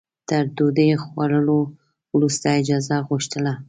تر ډوډۍ خوړلو وروسته اجازه غوښتله.